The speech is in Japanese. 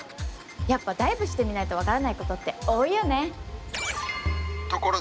やっぱダイブしてみないと分からないことって多いよね。